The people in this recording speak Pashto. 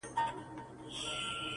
د خپل ژوند په يوه خړه آئينه کي!